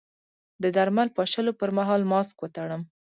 د درمل پاشلو پر مهال ماسک وتړم؟